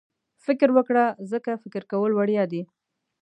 فکر وکړه ځکه فکر کول وړیا دي.